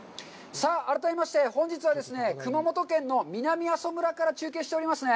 さあ、改めまして、本日はですね、熊本県の南阿蘇村から中継しております。